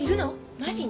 マジに？